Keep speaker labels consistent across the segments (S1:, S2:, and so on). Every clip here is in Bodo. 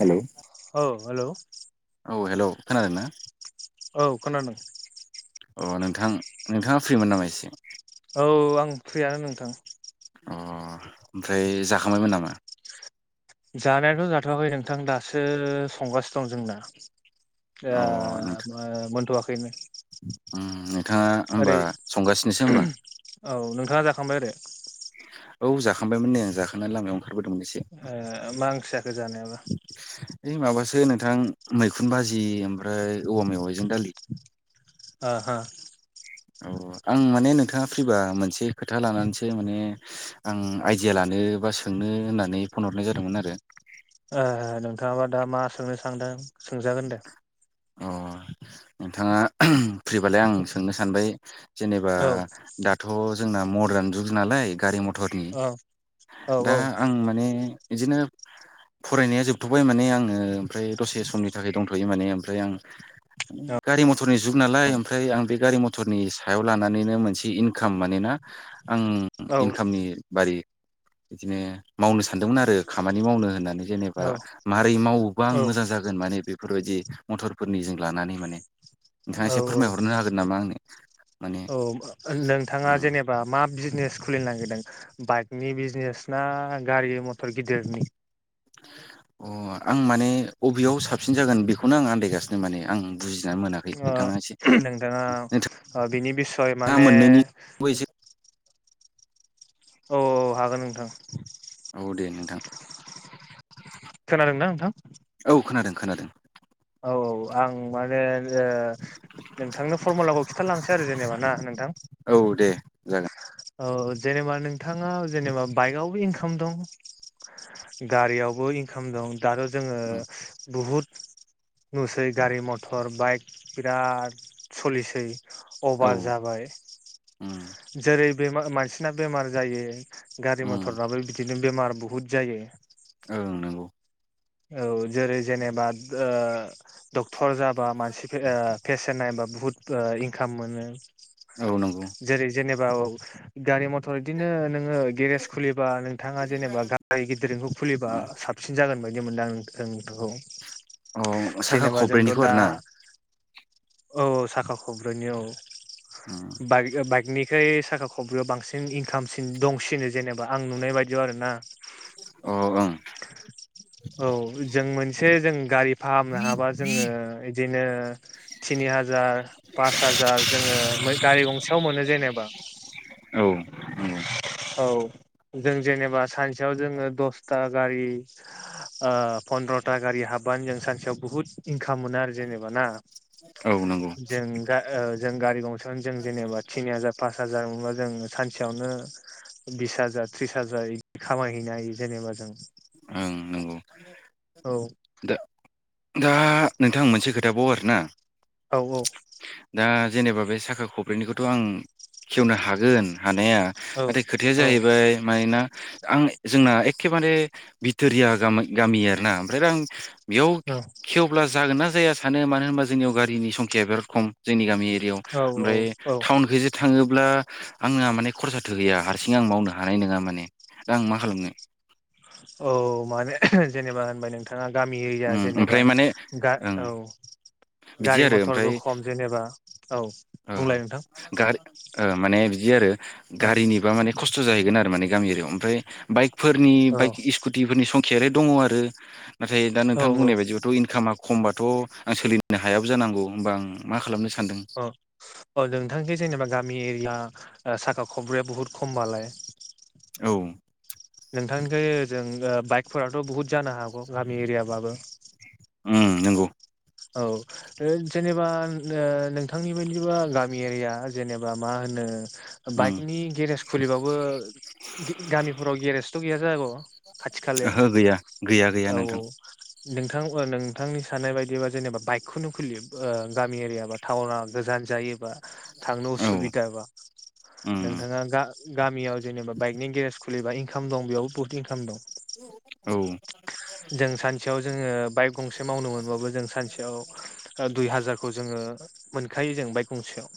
S1: हेलौ
S2: औ हेल'।
S1: औ, हेल'! खोनादों ना?
S2: औ खोनादों।
S1: अ नोंथां, नोंथाङा फ्रिमोन नामा एसे।
S2: औ, आं फ्रियानो नोंथां।
S1: अ, ओमफ्राय जाखांबायमोन नामा?
S2: जानायाथ' जाथ'वाखै नोंथां दासो संगासिनो दं जोंना।
S1: अ
S2: आ
S1: नोंथां
S2: ओ मोनथ'वाखैमोन।
S1: उम नोंथाङा होमबा संगासिनोसो होमबा?
S2: औ नोंथाङा जाखांबाय आरो?
S1: औ जाखांबायमोन, नै जाखांनानै लामायाव ओंखारबोदोंमोन एसे।
S2: ओ मा ओंख्रि जाखो जानायाबा
S1: ओइ माबासो नोंथां मैखुन बाजि ओमफ्राय औवा मेवाइजों दालि।
S2: ओ ओ।
S1: औ औ। आं माने नोंथाङा फ्रिबा मोनसे खोथा लानानैसो माने आं आइडिया लानो बा सों- नो होननानै फन हरनाय जादोंमोन आरो।
S2: ए नोंथाङाबा दा मा सोंनो सानदों सोंजागोन दे।
S1: अ नोंथाङा ओहोम फ्रिबालाय आं सोंनो सानबाय जेनेबा
S2: औ
S1: दाथ' जोंना मदार्न जुग नालाय गारि मथर रांनि।
S2: औ औ
S1: दा
S2: औ
S1: आं माने बिदिनो फरायनाया जोबथ'बाय माने आङो ओमफ्राय दसे समनि थाखाय दंथ'यो माने ओमफ्राय आं गारि मथरनि जुग नालाय ओमफ्राय आं बे गारि मथरनि सायाव लानानैनो मोनसे इनकाम मानोना आं
S2: औ
S1: इनकामनि बारै बिदिनो मावनो सानदोंमोन आरो खामानि मावनो होननानै। जेनेबा मारै मावोबा आं
S2: औ
S1: मोजां जागोन माने बेफोरबायदि मथरफोरनि जों लानानै माने। नोंथाङा
S2: औ
S1: एसे फोरमायहरनो हागोन नामा आंनो? माने
S2: औ नोंथाङा
S1: उम
S2: जेनेबा मा बिजनेस खुलिनो नागिरदों बाइकनि बिजनेस ना गारि मथर गिदिरनि?
S1: अ आं माने अबेयाव साबसिन जागोन बेखौनो आं आन्दायगासिनो माने। आं बुजि ना मोनाखै।
S2: ओ
S1: नोंथाङा एसे
S2: नोंथाङा
S1: नोंथां
S2: ओ बिनि बिसय
S1: ना
S2: माने
S1: मोनैनायनिबो एसे
S2: औ औ हागोन नोंथां।
S1: औ दे नोंथां।
S2: खोनादों ना नोंथां।
S1: औ खोनादों खोनादों।
S2: औ औ। आं माने ओ नोंथांनो फरमुलाखौ खिन्थालांसै आरो जेनेबा ना नोंथां।
S1: औ दे जागोन
S2: औ जेनेबा नोंथाङा जेनेबा बाइकआवबो इनकाम दं गारियावबो इनकाम दं। दाथ' जोङो
S1: उम
S2: बहुत नुसै गारि मथर बाइक बिराद सलिसै।
S1: औ
S2: अभार जाबाय
S1: उम
S2: जेरै बे मानसिना बेमार जायो, गारि
S1: उम
S2: मथरफ्राबो बिदिनो बेमार बहुद जायो।
S1: औ नंगौ।
S2: औ जेरै जेनेबा ओ डक्टर जाबा मानसि पेसेन्ट नायबा बुहुथ इनकाम मोनो,
S1: औ नंगौ।
S2: औ गारि मथर बिदिनो नो गेरेज खुलिबा नोंथाङा जेनेबा गारि गिदिरखौ खुलिबा साबसिन जागोन बाय दि मोनदों जों।
S1: अ साखा
S2: जेनेबा जोंथ'
S1: खब्रैनिखौ आरो
S2: दा
S1: ना
S2: औ साखा खबब्रैनि
S1: उम
S2: औ। बाइक बाइकनिख्रै साखा खब्रैयाव बांसिन इनकामसिन दंसिनो। जेनेबा आं नुनाय बायदियाव आरो ना।
S1: अ ओं
S2: औ जों मोनसे जों गारि फाहामनो हाबा जोङो इदिनो थिनि हाजार पास हाजार जोङो गारि गंसेयाव मोनो जेनेबा
S1: औ नोंगौ।
S2: जों जेनेबा सानसेयाव जोङो दसथा गारि ओ पन्द्रथा गारि हाबानो जों सानसेयाव बुहुत इनकाम मोनो आरो जेनेबा ना।
S1: औ नंगौ
S2: जों गा ओ जों गारि गं सेयाव जों जेनेबा थिनि हाजार पास हाजार मोनबा जों सानसेयावनो बिस हाजार त्रिस हाजार इदि खामायहैनो हायो जेनेबा जों।
S1: ओं नंगौ।
S2: औ।
S1: दा दा नोंथां मोनसे खोथाबाव आरो ना।
S2: औ औ।
S1: दा जेनेबा बे साखा खब्रैनिखौथ' आं खेवनो हागोन। हानाया
S2: औ
S1: नाथाय खोथाया
S2: औ
S1: जाहैबाय मानोना आं जोंना एखेबारे भिथोरिया गामा गामि आरो ना ओमफ्राय आं बेयाव खेवब्ला जागोन ना जाया सानो मानो होनबा जोंनियाव गारिनि संखिया बिराद खम जोंनि गामि याव
S2: औ
S1: ओमफ्राय
S2: औ औ
S1: टाउनखोजि थाङोब्ला आंना माने खरसाथ' गैया हारसिं आं मावनो हानाय नङा माने। दा आं मा खालामनो?
S2: औ माने जेनेबा होनबाय नों ओ गामि एरिया
S1: ओम
S2: जेनेबा
S1: ओमफ्राय माने
S2: गा
S1: ओं
S2: औ
S1: बिदि
S2: गारि
S1: आरो ओमफ्राय
S2: मथरबो खम जेनेबा। औ
S1: ओ
S2: बुंलाय नोंथां।
S1: गारि ओ माने बिदि आरो
S2: औ
S1: गारिनिबा माने खस्थ' जाहैगोन आरो माने गामियरियाव ओमफ्राय बाइकफोरनि बाइक
S2: औ
S1: स्कुटिफोरनि संखियालाय दङ' आरो नाथाय दा नोंथां
S2: औ
S1: बुंनाय बायदिबाथ' इनकामा खमबाथ' आं सोलिनो हायाबो जानांगौ, होमबा आं मा खालामनो सा
S2: अ अ नोंथांखि जेनेबा गामि एरिया ओ साखा खब्रैया बहुत खमबालाय
S1: औ
S2: नोंथांनिखै जों ओ बाइकफोराथ' बुहुत जानो हा गामि एरियाबाबो
S1: उम नंगौ
S2: औ जेनेबा ओ नोंथांनि बायदिबा गामि एरिया जेनेबा मा होनो
S1: उम
S2: बाइकनि गेरेज खुलिबाबो गामिफोराव गेरेजथ' गैया जाग'। खाथि खालायाव
S1: ओहो गैया गैया गैया
S2: औ
S1: नोंथां
S2: औ। नोंथां [unintelligible] नोंथांनि साननाय बायदिबा जेनेबा बाइकखौनो खुलि ओ गामि एरिया बा थाउना गोजान जायोबा थांनो
S1: औ
S2: उसुबिदा बा
S1: उम
S2: नोंथाङा गा गामियाव जेनेबा बाइकनि गेरेज खुलिबा इनकाम दं, बेयावबो बहुत इनकाम दं।
S1: औ
S2: जों सानसेयाव जोङो बाइक गंसे मावनो मोनबाबो जों सानसे ओ दुइ हाजारखौ जोङो मोनखायो जों बाइक गंसेयाव।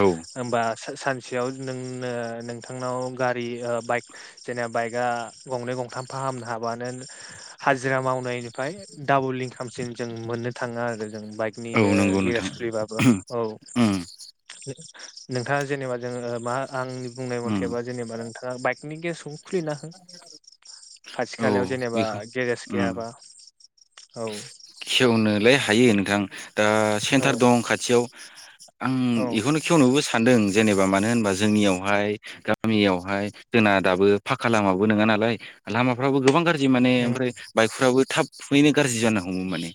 S1: औ
S2: होमबा सानसेयाव नोंनो नोंथांनाव गारि ओ बाइक जेने बाइकआ गंनै गंथाम फाहामनो हाबानो हाजिरा मावनायनि [unintelligible] डाबल इनकामसो जों मोननो थाङो आरो जों बाइकनि ओ
S1: औ नंगौ
S2: गेरेज
S1: नोंथां
S2: खुलिबाबो। औ।
S1: उम
S2: नोंथाङा जेनेबा जोङो मा आंनि बुंनाय
S1: उम
S2: मथेबा जेनेबा नोंथाङा बाइकनि गेसखौ खुलिना हो। खाथि
S1: औ
S2: खालायाव जेनेबा
S1: बेखौ
S2: गेरेज
S1: उम
S2: गैयाबा। औ।
S1: बे हायो नोंथां दा
S2: औ
S1: सेन्टार दं खाथियाव। आं
S2: औ
S1: इखौनो खेवनोबो सान्दों। जेनेबा मानो होनबा जोंनियावहाय गामियावहाय जोंना दाबो फाक्का लामाबो नङा नालाय लामाफ्राबो गोबां गाज्रि माने
S2: उम
S1: ओमफ्राय बाइकफ्राबो थाब फुयैनो गाज्रि जानो हमो माने।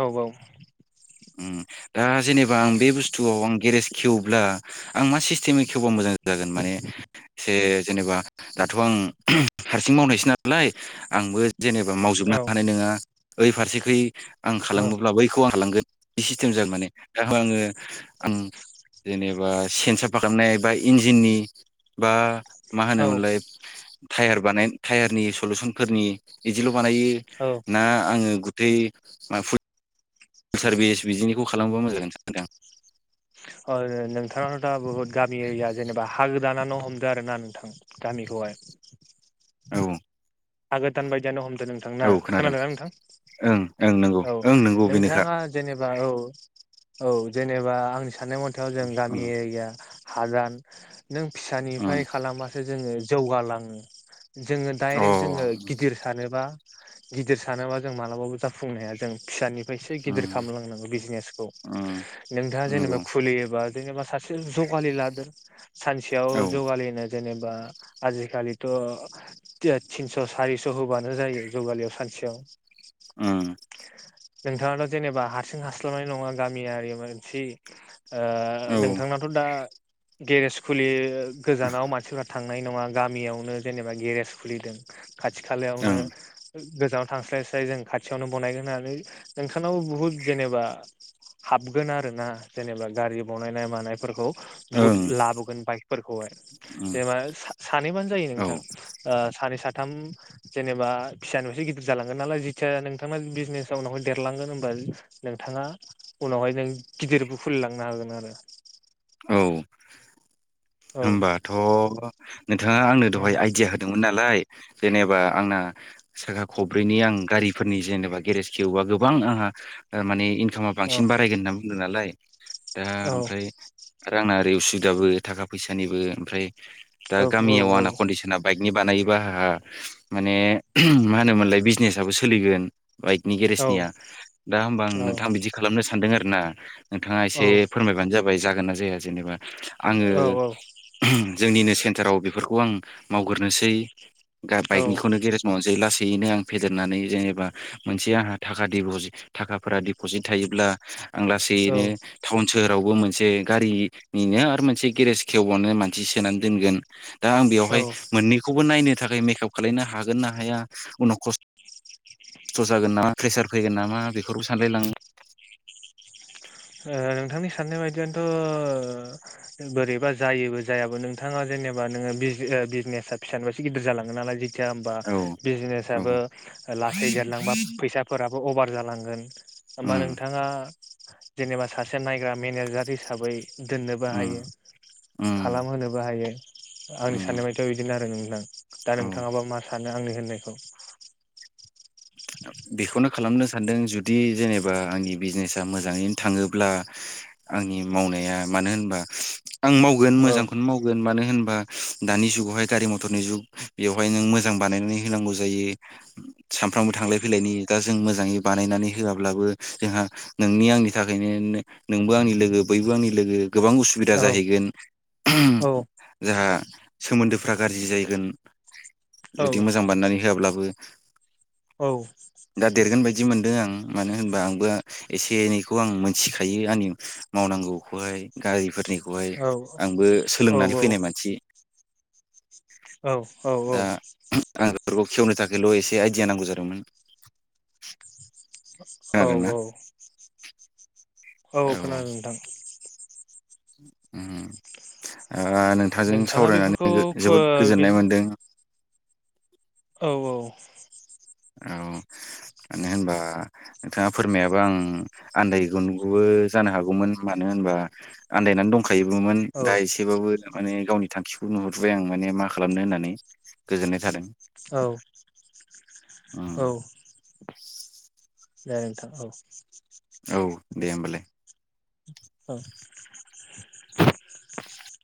S2: औ औ।
S1: उम दा जेनेबा आं बे बुस्थुआव आं गेरेज खेवब्ला आं मा सिस्टेमे खेवबा मोजां जागोन माने एसे जेनेबा दाथ' आं हारसिं मावनायसो नालाय? आंबो जेनेबा मावजोबनो
S2: औ
S1: हानाय नोङा। ओइ फारसेखै आं खालामोब्ला बैखौ आं हालांगोन सिस्टेम जाया। माने दा आङो आं जेनेबा से [unintelligible] खालामनाय बा इन्जिननि बा मा
S2: औ
S1: होनोमोनलाय? थायार बानायनज थायारनि सलुसनफोरनिदिल' बानायो
S2: औ औ
S1: ना? आङो गुतै आ फुत सारभिस बिजिनिखौ खालामबा मोजां जागोन सानदों [unintelligible]
S2: अ नो नोंथाङाव दा बुहुत गामि एरिया जेनेबा हा गो दानानानै हमदो आरो ना नोंथां? बेखौहाय
S1: औ
S2: हागोदान बायदियानो हमदों नोंथांना खोनादों नोंथां?
S1: ओं ओं नंगौ
S2: औ
S1: ओं नंगौ बेनोखा
S2: नोंथाङा जेनेबा औ औ जेनेबा आंनि साननाय मथाव जों गामि
S1: उम
S2: एरिया हादान नों फिसानिफाय
S1: उम
S2: खालामबासो जोङो जौगालाङो। जोङो
S1: अ
S2: दाइरेक्ट जोङो गिदिर सानोबा गिदिर सानोबा जों मालाबाबो जाफुंनो हाया। जों फिसानि फायसो गिदिर
S1: उम
S2: खालामलांनांगौ बिजनेसखौ।
S1: उम
S2: नोंथाङा जेनेबा
S1: नंगौ
S2: खुलियोबा जेनेबा सा सो जगालि लादो। सानसेयाव
S1: औ
S2: जौगालिनो जेनेब बा आजिखालिथ' ते [unintelligible] थिनस' सारिस' होबानो जायो जुगालियाव सानसेयाव।
S1: उम
S2: नोंथाङाथ' जेनेबा हारसिं हास्लाबनाय नङा। गामियारि मोनसे
S1: औ
S2: ओ
S1: ओं
S2: नोंथांनाथ' दा गेरेज खुलि ओ गोजानाव मानसिफ्रा थां नाय नङा गामियावनो जेनेबा गेरेज खुलिदों। खाथि
S1: ओं
S2: खालायावनो [unintelligible] गोजानाव थांस्लाय स्लाय जों खाथियावनो बनायगोन होननानै नोंथांनावबो बुहुत जेनेबा हाबगोन आरो ना जेनेबा गारि बनायनाय मानायफोरखौ बुहुथ
S1: उम
S2: लाबोगोन बाइकफोरखौहाय जेनेबा सा सानैबानो जायो
S1: औ
S2: नोंथां ओ सानै साथ थाम जेनेबा फिसानिफायसो गिदिर जालांगोन नालाय जिथिया नोंथांना बिजनेजाव नहय देरलांगोन होनबा [unintelligible] नोंथाङा उनावहाय नों गिदिरबो खुलिलांनो हागोन आरो।
S1: औ
S2: औ
S1: होमबाथ' नों थाङा आंनो दहाय आइडिया होदोंमोन नालाय। जेनेबा आंना साखा खब्ब्रैनि आं गारिफोरनि जेनेबा गेरेज खेवबा गोबां आंहा ओ माने इंक खामा बांसिन बारायगोन होनना बुंदों नालाय दा
S2: औ
S1: ओमफ्राय आरो आंना ओरै उसुबिदाबो थाखा फैसानिबो ओमफ्राय दा गामियाव आना
S2: औ
S1: कन्डिसिना बाइक नि बानायोबा आहा माने [unintelligible] मा होनोमोनलाय बिजनेसआबो सोलिगोन। बाइकनि
S2: औ
S1: गेरेजनिया दा होमबा आं नोंथां बिदि खालामनो सानदों आरो ना। नोंथाङा
S2: औ
S1: एसे फोरमायबानो जाबाय जागोन ना जाया जेनेबा आङो
S2: औ
S1: जोंनिनो सेन्थाराव बेफोरखौ आं मावगोरनोसै गा बाइकनिखौनो गेरेज मावनोसै लास सैयैनो आं फेदेरनानै जेनेबा मोनसे आंहा थाखा दिबजि थाखाफोरा देपजिट थायोब्ला आं
S2: औ
S1: लासैयैनो थाउन सोहोरावबो मोनसे गारिनिनो आरो मोनसे गेरेज खेवबावनो मानसि सोनानै दोनगोन दा आं
S2: औ औ
S1: बेयावहाय मोननै खौबो नायनो थाखाय मेखाप लायनो हागोन ना हाया उनाव खस स्थ' जागोन नामा फ्रेसार फैगोन नामा बेफोरबो सानलाय लाङो।
S2: ओ नोंथांनि साननाय बायदियानथ' बोरैबा जायोबो जायाबो नोंथाङा जे जेनेबा नोङो बिज ओ बिजनेस आ फिसानिबा सो गिदिर जालाङो नालाय जि थिया होमबा
S1: औ
S2: बिजनेस
S1: औ
S2: आबो लासै देरलांबा फैसाफोराबो अभार जालांगोन। होमबा
S1: उम
S2: नोंथाङा जेनेबा सासे नायग्रा मेनेजार हिसाबै दोननोबो
S1: उम
S2: हायो
S1: उम
S2: खालामहोनोबो हायो आंनि
S1: उम
S2: साननायबादियाव इदिनो आरो नों दा
S1: औ
S2: नोंथाङाबा मा सानो आंनि होननायखौ
S1: बेखौनो खालामनो सानदों जुदि जेनेबा आंनि बिजनेसा मोजाङैनो थाङोब्ला आंनि मावनाया मानो होनबा आं मावगोन
S2: औ
S1: मोजांखौनो मावगोन मानो होनबा बा दानि जुगावहाय खाथि मथरनि जुग बेवहाय नों मोजां बानायनानै होनांगौ जायो सानफ्रामबो थांलाय फैलायनि दा जों मोजाङै बानायनानै होआब्लाबो जोंहा नोंनि आंनि थाखायनो नोंबो आंनि लोगो बैबो आंनि लोगो। गोबां उसुबिदा
S2: औ
S1: जाहैगोन ओहोम
S2: औ
S1: जाहा। सोमोन्दोफ्रा गाज्रि जायैगोन
S2: औ
S1: जुदि मोजां बानायनानै होआब्लाबो।
S2: औ
S1: दा देरगोन बायदि। इदि मोनदों आं मानो होनबा आंबो एसे एनैखौ आं मोनथिखायो आंनि मावनांगौखौबो। गारिफोरनिखौहाय
S2: औ
S1: आंबो
S2: औ
S1: सोलोंनानै फैनाय मानसि।
S2: औ औ औ
S1: दरखौ खेवनो थाखायल' एसे आइडिया नांगौ जादोंमोन।
S2: औ
S1: खोनादोंना
S2: औ औ खोनादों नोंथां।
S1: उम ओ नोंथाजों
S2: नोंथाङा बेफोरखौ
S1: सावरायनानै
S2: फो
S1: जोबोद
S2: बे
S1: गोजोननाय मोन्दों।
S2: औ औ।
S1: औ मानो होनबा नोंथाङा फोरमायाबा आं आन्दायगोनबो जानो हागौमोन मानो होनबा बा आन्दायनानै दंखायोबोमोन
S2: औ
S1: दा एसेबाबो माने गावनि थांखिखौ नुहुरबाय आं माने मा खालामनो होननानै गोजोननाय थादों
S2: औ
S1: उम
S2: औ
S1: [inaudible]
S2: जागोन नोंथां औ
S1: औ दे होमबालाय
S2: औ